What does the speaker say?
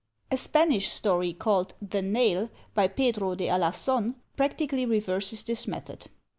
A Spanish story, called "The Nail," by Pedro de Alargon, practically reverses this method.